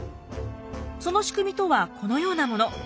その仕組みとはこのようなもの。